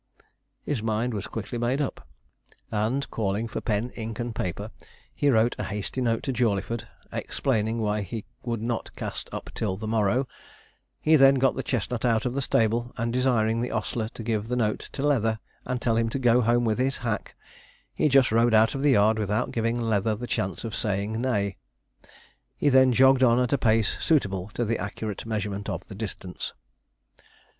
His mind was quickly made up, and calling for pen, ink, and paper, he wrote a hasty note to Jawleyford, explaining why he would not cast up till the morrow; he then got the chestnut out of the stable, and desiring the ostler to give the note to Leather, and tell him to go home with his hack, he just rode out of the yard without giving Leather the chance of saying 'nay.' He then jogged on at a pace suitable to the accurate measurement of the distance.